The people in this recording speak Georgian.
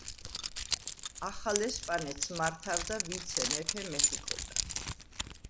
ახალ ესპანეთს მართავდა ვიცე-მეფე მეხიკოდან.